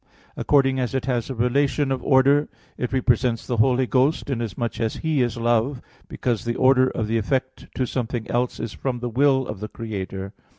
According as it has relation of order, it represents the Holy Ghost, inasmuch as He is love, because the order of the effect to something else is from the will of the Creator.